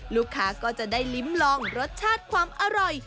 ลูกค้าก็จะได้ลิ้มลองรสชาติความอร่อย